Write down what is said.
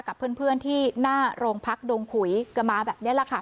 กับเพื่อนเพื่อนที่หน้าโรงพักดงขุยกำลักษณะแบบเนี้ยแหละค่ะ